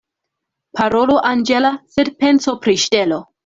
Parolo anĝela, sed penso pri ŝtelo.